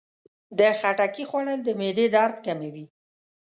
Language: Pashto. د خټکي خوړل د معدې درد کموي.